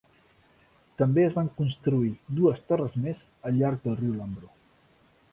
També es van construir dues torres més al llarg del riu Lambro.